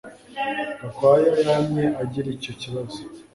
Gakwaya yamye agira icyo kibazo